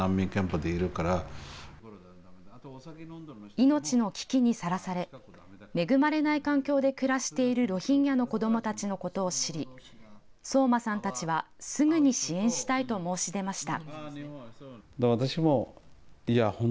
命の危機にさらされ恵まれない環境で暮らしているロヒンギャの子どもたちのことを知り聡真さんたちはすぐに支援したいと申し出ました。